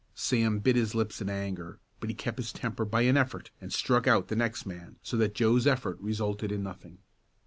Sam bit his lips in anger, but he kept his temper by an effort and struck out the next man so that Joe's effort resulted in nothing.